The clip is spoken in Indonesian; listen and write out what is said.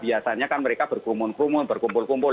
biasanya kan mereka berkumul kumul berkumpul kumpul